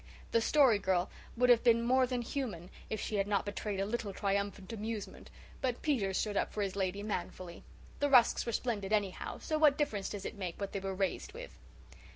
The Story Girl would have been more than human if she had not betrayed a little triumphant amusement, but Peter stood up for his lady manfully. "The rusks were splendid, anyhow, so what difference does it make what they were raised with?"